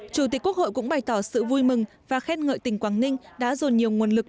chủ tịch quốc hội cũng bày tỏ sự vui mừng và khen ngợi tỉnh quảng ninh đã dồn nhiều nguồn lực